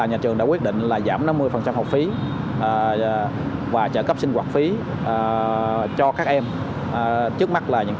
nhà trường đã quyết định là giảm năm mươi học phí và trợ cấp sinh hoạt phí cho các em trước mắt là những